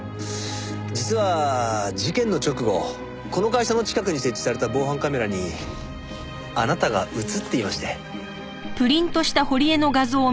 実は事件の直後この会社の近くに設置された防犯カメラにあなたが映っていまして。